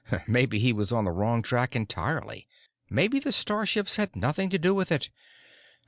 Maybe he was on the wrong track entirely. Maybe the starships had nothing to do with it.